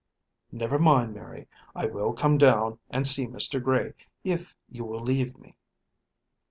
"Never mind, Mary. I will come down and see Mr. Gray if you will leave me."